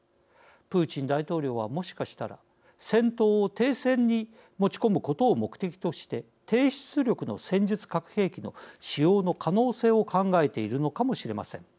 プーチン大統領は、もしかしたら戦闘を停戦に持ち込むことを目的として低出力の戦術核兵器の使用の可能性を考えているのかもしれません。